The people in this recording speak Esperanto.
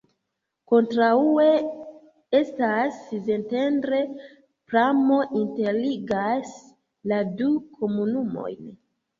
Kontraŭe estas Szentendre, pramo interligas la du komunumojn.